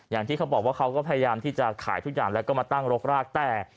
อย่างที่เขาบอกว่าเขาก็พยายามที่จะขายทุกอย่างแล้วก็มาตั้งรกรากแต่